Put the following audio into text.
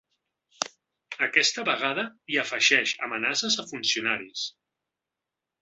Aquesta vegada hi afegeix amenaces a funcionaris.